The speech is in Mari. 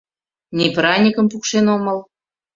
Ни праньыкым пукшен омыл